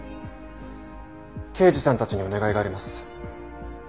刑事さんたちにお願いがあります。